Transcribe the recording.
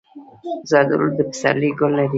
زردالو د پسرلي ګل لري.